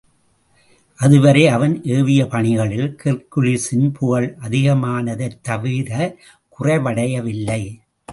அதுவரை அவன் ஏவியபணிகளில் ஹெர்க்குலிஸின் புகழ் அதிகமானதைத் தவிரக் குறைவடையவில்லை.